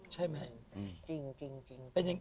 เจริญเงาะงาม